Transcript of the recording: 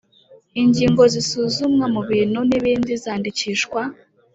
Ingingo zisuzumwa mu bintu n ibindi zandikishwa